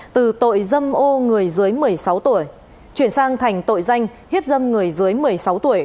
từ tội dâm ô người dưới một mươi sáu tuổi chuyển sang thành tội danh hiếp dâm người dưới một mươi sáu tuổi